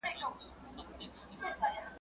خوگاڼى چي پاچا سو، اول ئې د خپلي مور سر ور وخرايه.